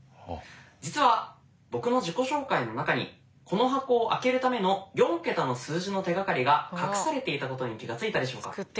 実は僕の自己紹介の中にこの箱を開けるための４桁の数字の手がかりが隠されていたことに気が付いたでしょうか。